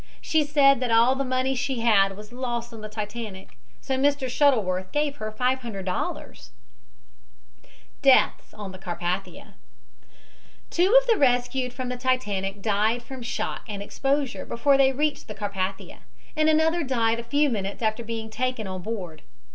She said that all the money she had was lost on the Titanic, so Mr. Shuttleworth gave her $500 DEATHS ON THE CARPATHIA Two of the rescued from the Titanic died from shock and exposure before they reached the Carpathia, and another died a few minutes after being taken on board.